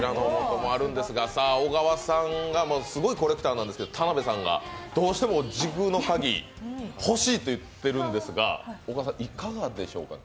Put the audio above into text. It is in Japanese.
小川さんがすごいコレクターなんですけども田辺さんがどうしても時空の鍵が欲しいと言っているんですが、小川さん、いかがでしょうか。